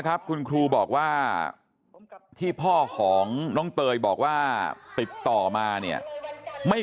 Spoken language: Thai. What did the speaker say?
ครับคุณครูบอกว่าที่พ่อของน้องเตยบอกว่าติดต่อมาเนี่ยไม่